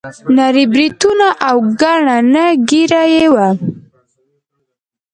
نري بریتونه او ګڼه نه ږیره یې وه.